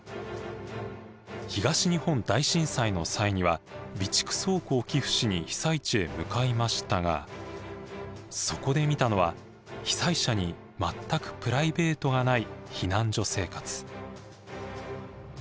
東日本大震災の際には備蓄倉庫を寄付しに被災地へ向かいましたがそこで見たのは被災者に全くプライベートがない避難所生活。